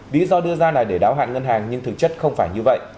bí do đưa ra là để đáo hạn ngân hàng nhưng thực chất không phát triển